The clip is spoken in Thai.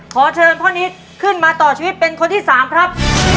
ขอเชิญพ่อนิดขึ้นมาต่อชีวิตเป็นคนที่๓ครับ